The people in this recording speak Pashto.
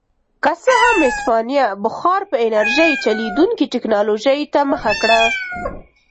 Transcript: که څه هم هسپانیا بخار په انرژۍ چلېدونکې ټکنالوژۍ ته مخه کړه.